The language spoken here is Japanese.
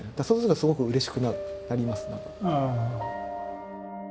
そうするとすごくうれしくなりますね。